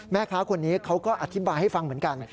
แม่ค้าคนนี้เขาก็อธิบายให้ฟังเหมือนกัน